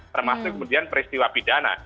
termasuk kemudian peristiwa pidana